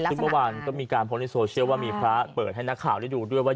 ซึ่งเมื่อวานก็มีการโพสต์ในโซเชียลว่ามีพระเปิดให้นักข่าวได้ดูด้วยว่า